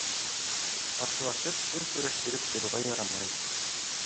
Ҡаршылашып һүҙ көрәштереп торорға ярамай.